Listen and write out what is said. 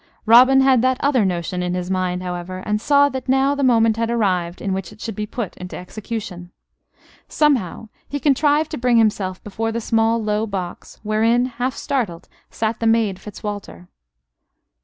Robin had that other notion in his mind, however, and saw that now the moment had arrived in which it should be put into execution. Somehow, he contrived to bring himself before the small low box wherein, half startled, sat the maid Fitzwalter.